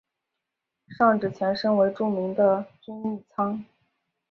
上址前身为著名的均益仓。